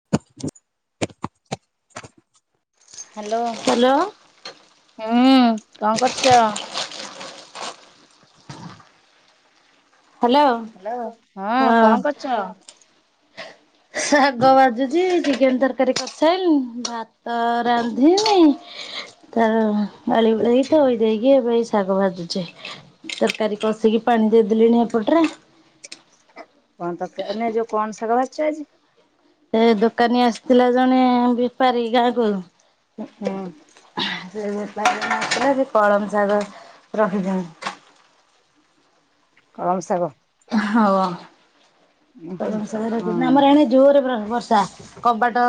[unintelligible] Hello hello ହୁଁ କଁ କରୁଚ। ହାଲୋ। ହାଲୋ ହଁ କଣ କରୁଚ। ଶାଗ ଭାଜୁଛି ଚିକେନ ତରକାରୀ କରି ସାଇଲିନି ଭାତ ରାନ୍ଧିଲି। ତାର ଗଳି ଗୁଳା କି ଥୋଇ ଦେକିଇ ଏବେ ହେଇ ଶାଗ ଭାଜୁଛି। ତରକାରୀ କଷିକି ପାଣି ଦେଇଦେଲିଣି ଏପଟରେ। କଣ ତ ଏ ଯୋଉ କଣ ଶାଗ ଭାଜିଛ ଆଜି? ସେ ଦୋକାନୀ ଆସିଥିଲା ଜଣେ ବେପାରୀ ଗାଁ କୁ। ହୁଁ ସେ [unintelligible] ସେ କଳମ ଶାଗ ରଖିଛନ୍ତି। କଳମ ଶାଗ। ହଁ ଉଁ ହୁଁ ହଁ। ଆମର ଏଣି ଜୋର ବ ବର୍ଷା କବାଟ ତ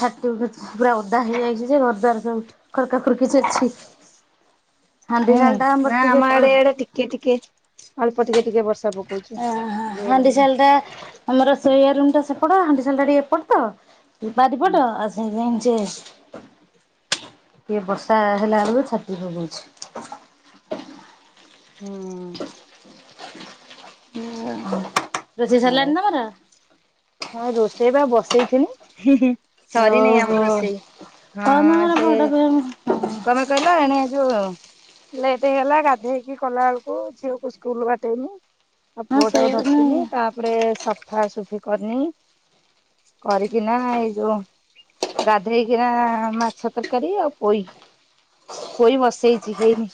ଛାତି [unintelligible] ପୁରା ଓଦା ହେଇଯାଇଛି ଯେ ଘର ଦ୍ୱାର ସବୁ ଖରକା ଖରକି ଅଛି। ହୁଁ ହାଣ୍ଡି ସାଳଟା ନା ଆମ ଟିକେ ଆଡେ ପଡ ଇଆଡେ ଟିକେ ଟିକେ ଅଳ୍ପ ଟିକେ ଟିକେ ବର୍ଷା ପକଉଛି ଜୋରେ ହାଣ୍ଡି ନୁହଁ। ଶାଳଟା ଆମର ଶୋଇବା ରୁମ୍ ଟା ସେପଟ ହାଣ୍ଡିଶାଳଟା ଏପଟ ତ। ଏଇ ହୁଁ ବାରିପଟ ଆଉ ସେ କିଏ ବର୍ଷା ହେଲା ବେଳକୁ ଛାତି ପକଉଛି। ହୁଁ। ରୋଷେଇ ସରିଲାଣି ଆଉ ତମର? ହଁ ରୋଷେଇ ବା ବସେଇଥିଲି। ସରିନି ଓହୋ ଆମ ହଁ ରୋଷେଇ ତମର ହଁ ସେ ବଡ ଫ୍ୟାମିଲି। କ କଲା ଏଣେ ଆ ଯୁ ଲେଟ୍ ହେଇଗଲା ଗାଧେଇକି କଲା ବେଳକୁ ଝିଅକୁ ସ୍କୁଲ ବାଟେଇଲି। ଆଉ ହଁ ପୁଅ ଟାକୁ ସେଇଆ ଧରିଥିଲି ନୁହେଁ ତାପରେ ସଫାସଫି କରିନି। କରିକି ନା ଏଇ ଯୋଉ ଗାଧେଇକିନା ମାଛ ତରକାରୀ ଆଉ ପୋଇ ପୋଇ ବସେଇଛି ହେଇନି।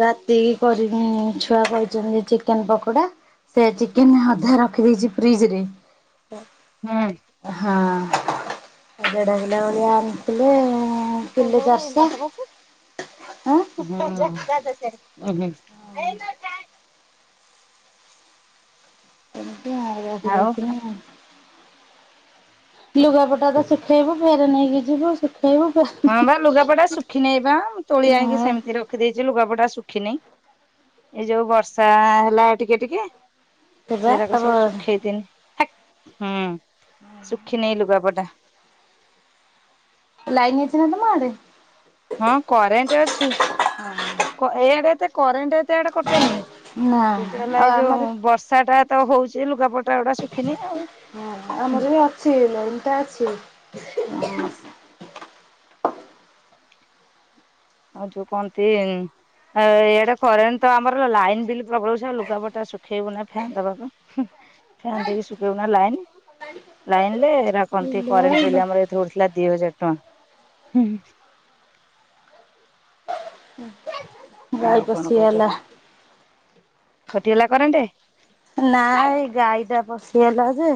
ରାତି କରିି ଛୁଆ କହିଛନ୍ତି ଚିକେନ ପକୋଡା। ସେ ଚିକେନ ଅଧା ରଖିଦେଇଛି ଫ୍ରିଜ ରେ। ହେଁ। ହଁ ଦେଢ଼କିଲୋ ଭଳିଆ ଆଣିଥିଲେ କିଲେ ଚାରିଶ ହୁଁ ହୁଁ। ସେମିତି ଆଉ ଆ [unintelligible] ଲୁଗାପଟା ତ ଶୁଖେଇବ ଫେର ନେଇକି ଯିବ ଶୁ ହଁ ବା ଲୁଗାପତା ଶୁଖି ନେଇ ବା ତୋଳି ଆଣିକି ହଁ। ସେମିତି ରଖ ରଖିଦେଇଛି ଲୁଗାପଟା ଶୁଖିନି ଏଇ ଯୋଉ ବର୍ଷା ହେଲା ଟିକେ ଟିକେ। ସେବା ସେଉରାକ ତମ ସବୁ ସୁଖେଇ ଦେଲି ହୁଁ। [inaudible] ଶୁଖି ନେଇ ଲୁଗା ପଟା। ଲାଇନ ଅଛି ନା ତମ ଆଡ଼େ। ହଁ କରେଣ୍ଟ ଅଛି କ ଏଇଆଡେ ତ କରେଣ୍ଟ ଅ ଏତେ ଆଡେ କଟେ ନେଇଁ। ନା କିନ୍ତୁ ହେଲା ଆଉ ଏଇ ଆମର ଯୋଉ ବର୍ଷା ଟା ତ ହଉଚି ଲୁଗାପ [unintelligible] ଶୁଖିନି ଆଉ। ସେ ଲାଇନ୍ ଟା ଅଛି। ହଁ ଆଉ ଯୋଉ କନ୍ତି। ଏଇଆଡେ କରେଣ୍ଟ ତ ଆମର ଲାଇନ ବିଲ ପ୍ରବଳ [unintelligible] ଆଉ ଲୁଗା ପଟା ଶୁଖେଇବୁ ନାଁ ଫ୍ୟାନ୍ ଦବା ପାଇଁ। ହୁଁ ଫ୍ୟାନ ଦେଇକି [unintelligible] ଲାଇନ ରେ ଏରା କହନ୍ତି କରେଣ୍ଟ ପିଲ୍ ଲୋ ଆମର ଏଥର ଉଠିଥିଲା ଦି ହଜାର ଟଙ୍କା। ହୁଁ। ଆଉ କଣ କହୁଚ କଟି ଗଲା କରେଣ୍ଟେ? ନା ଏଇ ଗାଈ ଟା ପଶିଗଲା ଯେ।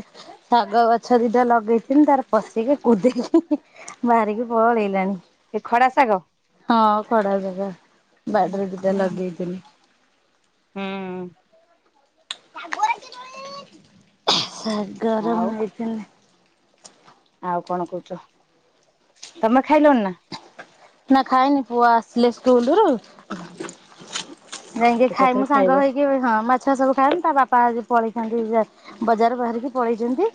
ଶାଗ ଗଛ ଦିଟା ଲଗେଇଥିଲି ତାର ପଶିକି କୁଦେଇକି ବାହାରିକି ପଳେଇଲାଣି। ଏ ଖଡା ଶାଗ। ହଁ ଖଡା [unintelligible] ବାଡିରେ ଦିଟା ଲଗେଇଥିଲି। ହୁଁ। ଆଉ [unintelligible] ଆଉ କଣ କୋହୁଚ ତମେ ଖାଇଲଣି ନା। ନା ଖାଇନି ପୁଅ ଆସିଲେ ସ୍କୁଲ ରୁ ଯାଇକି ଏକାଥରେ ଖାଇମୁଁ ଖାଇବ। ସାଙ୍ଗ ହେଇ ଗିବେ ହଁ ମା ଛୁଆ ସବୁ ଖାଇଆନ୍ତି ତା ବାପା ଆଜି ପଳେଇଛନ୍ତି ଜା ବଜାର ବାହାରିକି ପଳେଇଚନ୍ତି।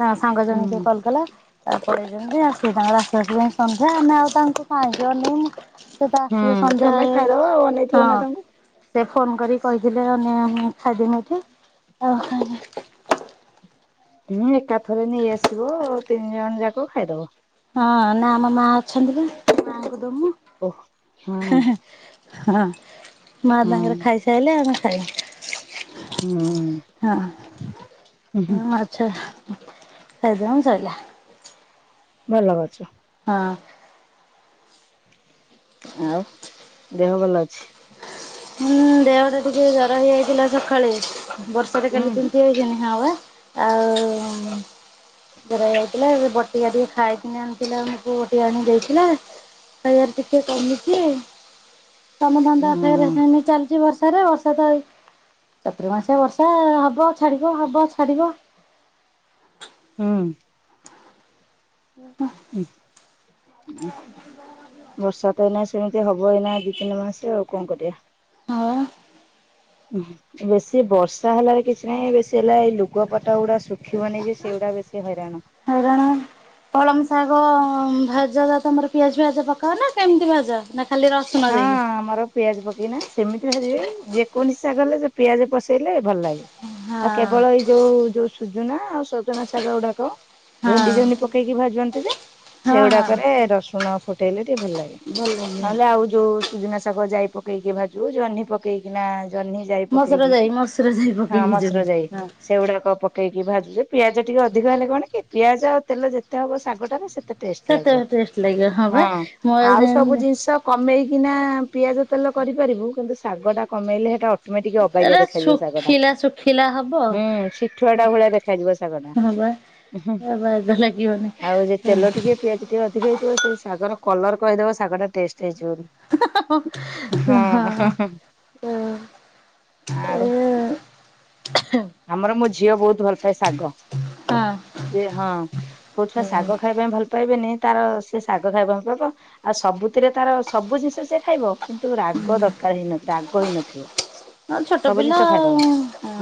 ତାଙ୍କ ସାଙ୍ଗ ହୁଁ ଜଣେ କିଏ କଲ କଲା ତ ପଳେଇଚନ୍ତି ଆଉ ସିଏ ତାଙ୍କର ଆସୁ ଆସୁ ଯାଇଁ ସନ୍ଧ୍ୟା ଆମେ ଆଉ ତାଙ୍କୁ [unintelligible] ସେ ତ ଆସିବେ ହୁଁ ସନ୍ଧ୍ୟା ତମେ ହେଇଯାଉ ଖାଇଦବ ଆଉ ଅନେଇଥିବ ନା ହଁ। ତାଙ୍କୁ। ସେ ଫୋନ କରି କହିଥିଲେ [unintelligible] ଖାଇଦେମି ଏଠି [unintelligible] ହୁଁ ଏକାଥରେ ନେଇଆସିବ ତିନି ଜଣ ଯାକ ଖାଇଦବ। ହଁ ନା ଆମ ମା ଅଛନ୍ତି ପା ମାଙ୍କୁ ଦୋମୁ। ଓହ ହଁ ହଁ ମା ହୁଁ ତାଙ୍କର ଖାଇସାରିଲେ ଆମେ ଖାଇବା। ହୁଁ। ହୁଁ ହୁଁ ହଁ ହଁ [unintelligible] ଚାଲ ଖାଇ ଦେ ଆମର ସରିଲା। ଭଲ କରିଚ। ହଁ। ଆଉ ଦେହ ଭଲ ଅଛି। ହୁଁ ଦେହ ଟା ଟିକେ ଜର ହେଇଯାଇଥିଲା ସକାଳେ ବର୍ଷାରେ ହୁଁ କାଲି ତି ଝିଅ [unintelligible] ଆଉ ଜର ହେଇଯାଇଥିଲା ଏବେ ବଟିକଆ ଟିକେ ଖାଇକିନି ଆଣିଥିଲା ଆମ ପୁଅ ବଟିକା ଆଣିକି ଦେଇଥିଲା। ସେଇଆ ଟିକେ କମିଛି ଆଉ ତ ଧନ୍ଦା ହୁଁ ଫେରେ। [unintelligible] ଚାଲିଚି ବର୍ଷାରେ ବର୍ଷା ତ ଏଇ ଚତୁର୍ମାସିଆ ବର୍ଷା ହବ ଛାଡ଼ିବ ହବ ଛାଡ଼ିବ। ହୁଁ। [unintelligible] [unintelligible] ବର୍ଷା ତ ଏଇନାଁ ସେମିତି ହେବ ଏଇନାଁ ଦୁଇ ତିନି ମାସ ଆଉ କଁ କରିବା। ଆଉ ବେଶୀ ବର୍ଷା ହେବାରେ କିଛି ନାହିଁ ବେଶୀ ହେଲା ଏଇ ଲୁ ଗପଟା ଗୁଡ଼ା ଶୁଖିବନି ଯେ ସେଇଗୁଡ଼ା ବେଶୀ ହଇରାଣ। [unintelligible] କଳମ ଶାଗ ଭାଜ ଯାହା ତମର ପିଆଜ ଫିଆଜ ପକାଅ ନା କେମିତି ଭାଜ ନା ଖାଲି ରସୁଣ ହଁ ଦେଇକି। ଆମର ପିଆଜ ପକେଇନା ସେମିତି ଭାଜିବେ ଯେକୌଣସି ଶାଗ ହେଲେ ସେ ପିଆଜ ପସେଇଲେ ଭଲ ଲାଗେ। ଆଉ ହଁ କେବଳ ଏଇ ଯୋଉ ଯୋଉ ସୁଜୁନା ଆଉ ସଜନା ସାଗ ଗୁଡାକ। ହଁ ଭେଣ୍ଡି ଜହ୍ନି ପକେଇକି ଭାଜନ୍ତି ଯେ ହଁ ହଁ। ସେଗୁଡାକରେ ରସୁଣ ଫୁଟେଇଲେ ଟିକେ ଭଲ ଲାଗେ। ଭଲ ଲାଗିବ। ନହେଲେ ଆଉ ଯୋଉ ସୁଜୁନା ଶାଗ ଯାଇ ପକେଇକି ଭାଜୁ ଜହ୍ନି ପକେଇକି ନା ଜହ୍ନି ଯାଇ ମସୁର ଯାଇ ପକେଇକି ମସୁର ଯାଇ ହଁ ପକେଇକି ମସୁର ଯେମିତି ଜାଇ। ହଁ ସେଗୁଡ଼ାକ ପକେଇକି ଭାଜୁଛେ ପିଆଜ ଟିକେ ଅଧିକ ହେଲେ କଣ କି ପିଆଜ ଆଉ ତେଲ ଯେତେ ହବ ଶାଗଟାରେ ସେତେ ଟଷ୍ଟ ସେତେ ଲାଗିବ ଟେଷ୍ଟ ଲାଗିବ ବା ହଁ ମୋର ଆଉ ସବୁ ସେମିତି ଜିନିଷ କମେଇକିନା ପିଆଜ ତେଲ କରିପାରିବୁ କିନ୍ତୁ ଶାଗଟା କମେଇଲେ ସେଟା ଅ ମେ ଟିକେ ଅବାଗିଆ ଏରା ଦେଖା ଯିବ ଶାଗଟା ଶୁଖିଲା ଶୁଖିଲା ହବ ହଁ ହୁଁ ଶିଠୁଆଟା ଭଳିଆ ଦେଖାଯିବ ଶାଗଟା। ବା ହୁଁ ବାଗ ଲାଗିବନି ଆଉ ଯ ହଁ। ତେଲ ଟିକେ ପିଆଜ ଦି ଅଧିକ ହେଇଥିବ ସେଇ ଶାଗର କଲର କହିଦବ ଶାଗ ଟା ଟେଷ୍ଟ ହେଇଚି ବୋଲି। ହଁ ଆଉ ଆମର ମୋ ଝିଅ ବହୁତ ଭଲ ପାଏ ଶାଗ ସିଏ ହଁ। କୋଉ ଛୁଆ ଶାଗ ଖାଇବା ପାଇଁ ଭଲ ପାଇବେନି ତାର ସେ ଶାଗ ଖାଇବା ପାଇଁ ପ ଆଉ ସବୁଥିରେ ତାର ସବୁ ଜିନିଷ ସେ ଖାଇବ କିନ୍ତୁ ରାଗ ଦରକାର ହେଇନଥିବ ରାଗ ହେଇନଥିବ ଛୋଟ ସବୁ ପିଲା ଜିନିଷ ଆଉ ଖାଇଦବ ହଁ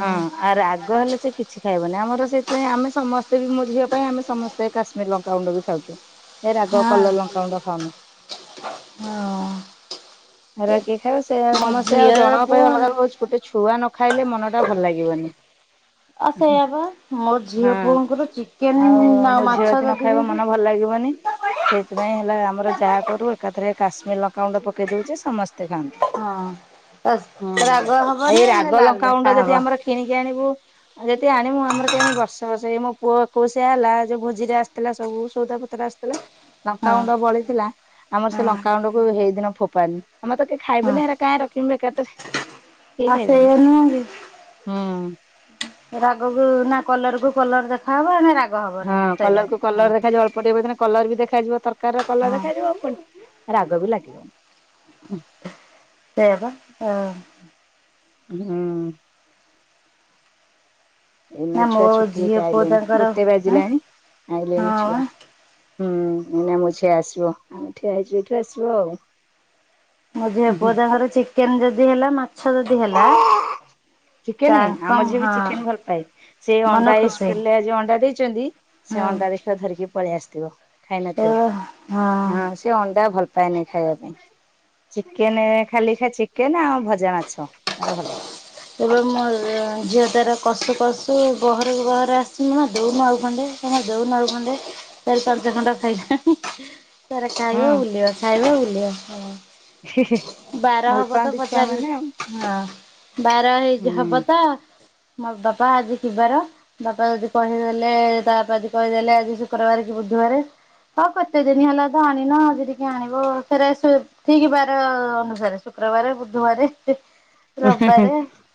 ହ ଆର୍ ରାଗ ହେଲେ ସେ କିଛି ଖାଇବନି ଆମର ସେଇଥିପାଇଁ ଆମେ ସମସ୍ତେ ବି ମୋ ଝିଅ ପାଇଁ ଆମେ ସମସ୍ତେ ସେ କାସ୍ମିର୍ ଲଙ୍କାଗୁଣ୍ଡ ବି ଖାଉଛୁ ଏ ରାଗ ହଁ କଲର ହଁ ଲଙ୍କାଗୁଣ୍ଡ ଖାଉନୁ ଏ ଅରୁଆ କିିଏ ଖାଇବ ସେ ମୋ ସମସ୍ତେ ଆଉ ଝିଅ ଜଣଙ୍କ ପାଇଁ ପୁଅ ଅଲଗା ହଉଛି ଗୋଟେ ଛୁଆ ନ ଖାଇଲେ ମନ ଟା ଭଲ ଲାଗିବନି ଆଉ ସେଇଆ ବା ମୋ ଝିଅ ହଁ ପୁଅଙ୍କର ଚିକେନ ଆଉ ମୋ ମାଛ ଝିଅ ଜତି ନ ଯଦି ଖାଇବ ହେଇଛି ମନ ଭଲ ଲାଗିବନି ସେଇଥିପାଇଁ ହେଲା ଆମର ଯାହା କରୁ ଏକାଥରେ କାଶ୍ମୀର ଲଙ୍କାଗୁଣ୍ଡ ପକେଇ ଦଉଛେ ସମସ୍ତେ ଖାଆନ୍ତି ହଁ ବାସ୍ ହୁଁ ରାଗ ହବନି ଏଇ ଆଡେ ରାଗ ଲାଲ ଦେଖା ଲଙ୍କାଗୁଣ୍ଡ ହବ ଯଦି ଆମର କିଣିକି ଆଣିବୁ ଯଦି ଆଣି ମୁଁ ଆମର କି ଆଣି ବର୍ଷ ବଷଇ ମୋ ପୁଅ ଏକୋସିିଆ ହେଲା ଯୋଉ ଭୋଜିରେ ଆସିଥିଲା ସବୁ ସଉଦାପତ୍ର ଆସି ହଁ ଲଙ୍କାଗୁଣ୍ଡ ବଳିଥିଲା ଆମର ସେ ହଁ ଲଙ୍କାଗୁଣ୍ଡ ହେଇ ଦିନ ଫୋଫାନି ଆମେ ତ କେଇ ହଁ ଖାଇବେନି ହେ କାଁ ରଖିମେ ବେକାରଟାରେ କେହି ଆଉ ଖାଇବେନି। ସେଇଆ ନୁହେଁ କି ହୁଁ ରାଗକୁ ନା କଲର କୁ କଲର ଦେଖାହବ ନା ରାଗ ହଁ ହବନି ସଇଲା କଲରକୁ କଲର ହଁ ଦେଖାଯିବ ଅଳ୍ପ ଟିକେ କ କଲର ବି ଦେଖାଯିବ ତରକାରୀ ର କଲର ହଁ ଦେଖାଯିବ ରାଗ ବି ଲାଗିବ ସେୟା ବା ହଁ ଉଁ ଏଇନା ନା ଛୁଆ ମୋ ଛୁଟି ହେଇକି ଝିଅ ପୁଅ ଆଇଲେଣି ତାଙ୍କର ଗୋଟେ ହଁ ବାଜିଲାଣି ଆଇଲେଣିି ହଁ ଛୁଆ ହୁଁ ନା ମୋ ଝିଅ ଆସିବ ଆମେ ଠିଆ ହେଇଚୁ ଏଇଠୁ ଆସିବ ଆଉ ମୋ ଝିଅ ଉହୁଁ ପୁଅ ତାଙ୍କର ଚିକେନ ଯଦି ହେଲା ମାଛ ଯଦି ହେଲା ଚିକେନେ ତାଙ୍କ ଆମ ଝିଅ ବି ହଁ ଚିକେନେ ଭଲ ପାଏ ସେ ମନ ଅଣ୍ଡା ଏଇ ଖୁସି ସ୍କୁଲ ରେ ଆଜି ଅଣ୍ଡା ଦେଇଛନ୍ତି ସେ ହଁ ଅଣ୍ଡା ଦେଖିବ ଧରିକି ପଳେଇ ଆସିଥିବ ଖାଇ ଏ ନଥିବ ହଁ ଟେ ଅଣ୍ଡା ଭଲ ପାଏନି ଖାଇବା ପାଇଁ ଚିକେନ ଖାଲି ଖା ଚିକେନ ଆଉ ଭଜା ମାଛ ତାର ଭଲ ତେବେ ମୋ ଝିଅ ତାର କଷୁ କଶୁ ବହରକୁ ବହର ଆସିନୁ ନା ଦେଉନୁ ଆଉ ଖଣ୍ଡେ ଦଉନୁ ଆଉ ଖଣ୍ଡେ ଚାର ପାଞ୍ଚ ଖଣ୍ଡ ଖାଇଲା ତାର ହୁଁ ଖାଇବ ବୁଲିବ ଖାଇବ ବୁଲିବ ବାର ଭଲ ହବ ତ ପାଆନ୍ତି ଛୁଆ ପଚାରୁ ମାନେ ଆଉ। ହଁ ବାର ହେଇ ହବ ତ ମୋ ବାପା ଆଜି କିବାର ବାପା ଯଦି କହିଦେଲେ ତା ବାପା ଯଦି କହିଦେଲେ ଆଜି ଶୁକ୍ରବାର କି ବୁଧବାରେ ହ କେତେ ଦିନି ହେଲା ତ ଆଣିନ ଆଯି ଟିକେ ଆଣିବ ଫେରେ ଠିକ୍ ବାର ଅନୁସାରେ ଶୁକ୍ରବାର ବୁଧବାର ହୁଁ ରବିବାରେ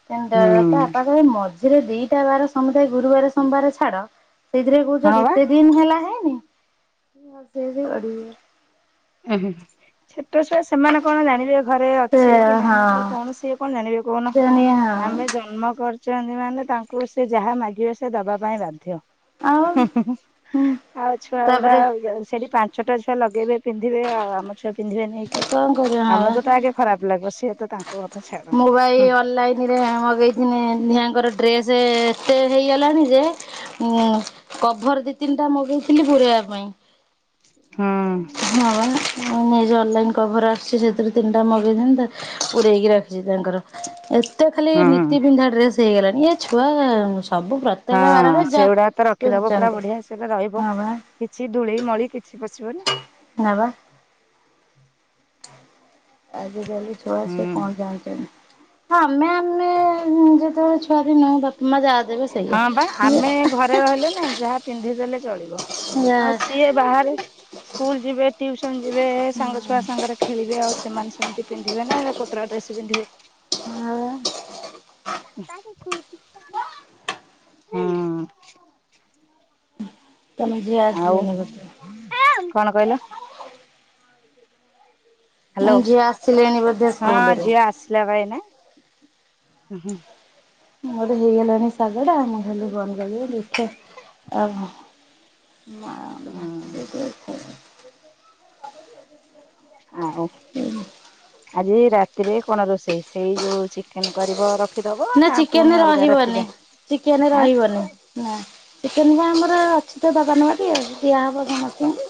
ତା ହୁଁ ବାପା କହିବେ ମ ଝିରେ ଦିଟା ବାର ସମୁଦାୟ ଗୁରୁବାର ସୋମବାର ଛାଡ ସେଇଥିରେ ବି କହୁଛ ହଁ ବା କେତେ ଦିନି ହେଲା ହେଇନି ହସି ହସି ଗଡିଯିବ ଉ ହୁ ଛୋଟ ଛୁଆ ସେମାନେ କଣ ଜାଣିବେ ଘରେ ଅଛି କି ନାହିଁ କି କୌଣସି କଣ ଜାଣିବେ କହୁନ ସେ ହଁ ଆମେ ଜନ୍ମ କରିଛନ୍ତି ମାନେ ତାଙ୍କୁ ସେ ଯାହା ମାଗିବ ସେ ଦବା ପାଇଁ ବାଧ୍ୟ ହୁଁ ଆଉ ହୁଁ ହୁଁ ଆଉ ଛୁଆ ଗୁଡା ତାପରେ ସେଠି ପାଞ୍ଚଟା ଛୁଆ ଲଗେଇବେ ପିନ୍ଧିବେ ଆଉ ଆମ ଛୁଆ ପିନ୍ଧିବେ ନେଇକି କଣ କରିବା ବା ଆମକୁ ତ ଆଗେ ଖରାପ ଲାଗିବ ସିଏ ତ ତାଙ୍କ କଥା ଛାଡ ମୁଁ ବା ଏଇ ହୁଁ ଅନଲାଇନ ରେ ମଗେଇଥିନି ଧିଆଁଙ୍କର ଡ୍ରେସ ଏତେ ହେଇଗଲାଣି ଯେ ଉଁ କଭର ଦି ତିନିଟା ମଗେଇଥିଲି ପୁରାଇବା ପାଇଁ ହଁ ହଁ ବା ମୋ ଯେଉଁ ଅନଲାଇନ୍ କଭର୍ ଆସୁଛି ସେଥିରୁ ତିନିଟା ମଗେଇଥିନିତ ପୁରେଇକି ରଖିଛି ତାଙ୍କର ଏ ଏତେ ଖାଲି ହୁଁ। ନୀତି ବିିନ୍ଧା ଡ୍ରେସ୍ ହେଇଗଲାଣି ଏ ଛୁଆ ସବୁ ପ୍ର ହଁ ସେଗୁଡାକ ତ ରଖିଦବ ପୁରା ବଢିଆ ସେ ରହିବ ହଁ ବା କିଛି ଧୁଳି ମଳି କିଛି ପଶିବନି। ହଁ ବା। ଆଜିକାଲି ଛୁଆ ସେ ହୁଁ କଣ ଜାଣିଚନ୍ତି? ହଁ ଆମେ ମାନେ ଯେତେବେଳେ ଛୁଆଥିନୁ ତ ତ ମଜା ଅ ହଁ ବା ଆମେ ଘରେ ରହିଲେ ନା ଯାହା ପିନ୍ଧିଦେଲେ ଚଳିବ। ଆଉ ସିଏ ଇଏ ବାହାରେ ସ୍କୁଲ ଯିବେ ଟିଉସନ ଯିବେ ସାଙ୍ଗ ଛୁଆ ସାଙ୍ଗରେ ଖେଳିବେ ଆଉ ସେମାନେ ସ ଏମିତି ପିନ୍ଧିବେ ନା କୋତୋରା ଡ୍ରେସ ପିନ୍ଧିବେ? ହୁଁ। ତମେ ଝିଅ ଆଉ ଆସିଲେଣି ବୋଧେ। କଣ କହିଲ? ହାଲୋ ମାନେ ଝିଅ ଆସିଲେଣି ବୋଧେ ହଁ ସ୍କୁଲରୁ। ଝିଅ ଆସିଲା ବା ଏଇନା। ମୁଁଟେ ହେଇଗଲାଣି ଶାଗ ଟା ମୁଁ କହଲି ବନ୍ଦ କରିବି ଦେଖିବା। ଏ ଉ ନାଁ। ହଁ। [unintelligible] ହଁ ଅ। ଆଜି ରାତିରେ କଣ ରୋଷେଇ ସେଇ ଯୋଉ ଚିକେନ କରିବ ର ନା ଚିକେନ ରହିବନି ଚିକେନ ଆ ରହିବନି। ନା ଚିକେନ ବା ଆମର ଅଛି ତ ଦୋକାନ ବାଡି ଦିଆହେବ ସମସ୍ତଙ୍କୁ।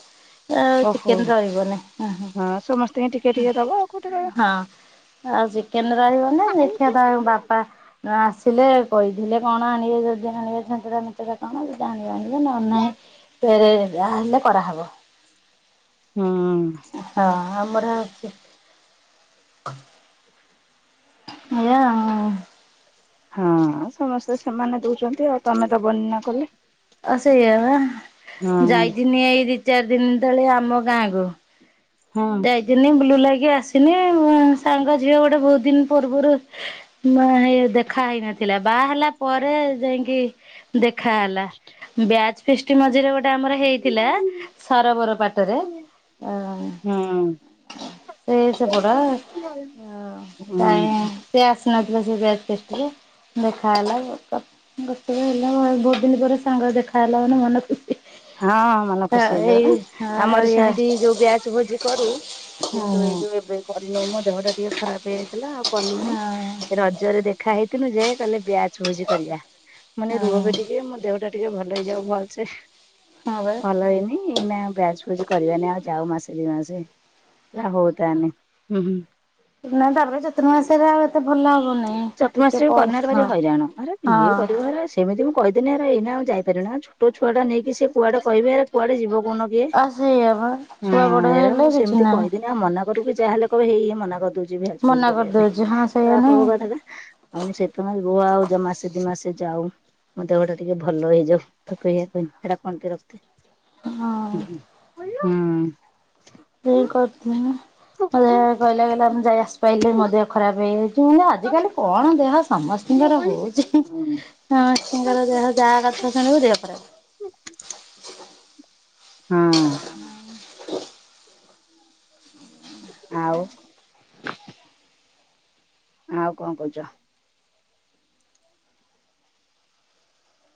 ଅ ଓହୋ ଚିକେନ ରହିବନି ଅ ହଁ ସମସ୍ତଙ୍କୁ ଟିକେ ଟିକେ ଦବ ଆଉ କୋଉଠି ରହିବ। ହଁ ହଁ। ଆଉ ଚିକେନ ରହିବ ନି ଦେଖିବା ତାଙ୍କ ବା ପା ଆସିଲେ କହିଥିଲେ କଣ ଆଣିବେ ଯଦି ଆଣିବେ ଚ୍ଛେଞ୍ଚେଡା ମେଚେଡା। କଣ ଯଦି ଆଣିବେ ଆଣିବେ ନହେଲେ ନାଇଁ ପେରେ ଯାହା ହେଲେ କରାହେବ। ହୁଁ। ହଁ ଆମର ଅଛି। ଏଇଆ ଆଉ। ହଁ ସମସ୍ତେ ସମାନ ଦଉଚନ୍ତି ଆଉ। ତମେ ଦବନି ନା କଲେ ଅ ସେଇଆ ବା ହଁ ଯାଇଥିନି ଏଇ ଦି ଚାରି ଦିନ ତଳେ ଆମ ଗାଁ କୁ। ହଁ ଯାଇଥିଲି ବ୍ଲୁ ଲାଗି ଆସିନି ସାଙ୍ଗ ଝିଅ ଗୋଟେ ବହୁତ ଦିନ ପୂର୍ବରୁ ନା ଏଇ ଦେଖା ହେଇ ନଥିଲା ବାହା ହେଲା ପରେ ଯାଇକି ଦେଖାହେଲା। ବ୍ୟାଚ ଫେଷ୍ଟ ମଝିରେ ଗୋଟେ ଆମର ହେଇଥିଲା ସାରବର ପାଟରେ ଅ ହଁ ସେଇ ସେ ପଟ ଅ ହୁଁ ହୁଁ କାଇଁ ସେ ଆସ ସି ନ ଥିଲା ସେ ବ୍ୟାଚ୍ ଫିଷ୍ଟରେ। ଦେଖା ହେଲା ଗ ଗୋଟେ ହେଲା ବହୁତ ଦିନ ପରେ ସାଙ୍ଗ ଦେଖା ହେଲା ମାନେ ମନ ଖୁ ହଁ ମନ ଖୁସି ହେଇଯିବ ନା। ହଁ ଆମର ଏଇଆ ସେମିତି ଯୋଉ ବ୍ୟାଚ ଭୋଜି କରୁ ହଁ କିନ୍ତୁ ଏଇ ଯୋଉ ଏବେ କରିନଉ ମୋ ଦେହ ଟା ଟିକେ ଖରାପ ହେଇଯାଇଥିଲା ଆଉ କଲୁନାଇଁ। ହଁ ରଜରେ ଦେଖା ହେଇଥିଲୁ ଯେ କହିଲେ ବ୍ୟାଚ ବୁଜି କରିବା। ମାନେ ରୁହ ବେ ହଁ। ଟିକେ ମୋ ଦେହ ଟା ଟିକେ ଭଲ ହେଇଯାଉ ଭଲସେ। ହଁ ବା। ଭଲ ହେଇନି ଏଇନା ବ୍ୟାଚ ଭୋଜି କରିବାନି ଆଉ ଯାଉ ମାସେ ଦି ମାସେ। ହେ ହଉ ତାହେଲେ ହୁଁ ହଁ। ନା ତାପରେ ଚତୁର୍ମାସରେ ଆଉ ଏତେ ଭଲ ହବନି। ଟିକେ ପରେ ହଁ ଇଏ ହଁ ପରିବାର ଅଛି। ଏମିତି ମୁ କହିଦେନି ଆରେ ଏଇନା ଆଉ ଯାଇପାରିବିନି ନା ଛୋଟ ଛୁଆଟା ନେଇକି ସେ କୁଆଡେ କହିବେ କୁଆଡେ ଯିବ କହୁନ। ଇଏ ଆଉ ସେଇଆ ବା ଛୁଆ ବଡ ହଁ ଏରା ହେଲେ ମୁଁ କିଛି ସେମତି ନାହିଁ। କହିଦେଲି ସେ ଆଉ ମନା କରୁ କି ଯାହାହେଲେ କହିବ ହେଇ ଇଏ ମନା କରିଦଉଛି ବ୍ୟାଚ ଭୋଜି ମନା କରିବା ପାଇଁ କରିଦଉଛି ହଁ ସେଇଆ ଖରାପ ହବ ନାଇଁ କଥାଟା। ଆଉ ମୁ ସେଥିପାଇଁ ରୁହ ଆଉ ଯ ମାସେ ଦି ମାସେ ଯାଉ। ମୋ ଦେହ ଟା ଟିକେ ଭଲ ହେଇଯାଉ ତାକୁ ଏଇଆ କହିଲି। ସେଟା କଣନ୍ତି ରଖେ ହଁ ଉଁ ହୁଁ ଗୁଲୁ ହୁଁ। ହେ କଥା ହୁଁ ଏଇଆ କହିଲା କହିଲା ମୁଁ ଯାଇ ଆସିପାଇଲିନି ମୋ ଦେହ ଖରାପ ହେଇଯାଇ ଶୁଣୁନ ଆଜିିକାଲି କଣ ଦେହ ସମସ୍ତିଙ୍କର ହଉଛି ହୁଁ ସମସ୍ତିଙ୍କର ଯାହା ଯାହା କଥା ଶୁଣିବୁ ଦେହ ଖରାପ। ହଁ। ଆଉ ଆଉ କଣ କଉଚ?